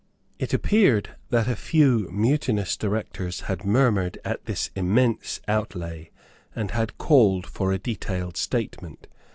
It appeared that a few mutinous directors had murmured at this immense outlay, and had called for a detailed statement.